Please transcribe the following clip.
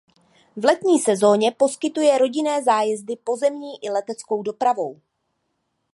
V letní sezóně poskytuje rodinné zájezdy pozemní i leteckou dopravou.